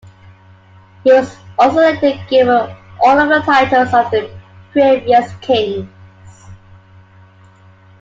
He was also later given all of the titles of the previous kings.